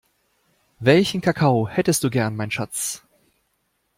Welchen Kakao hättest du gern, mein Schatz?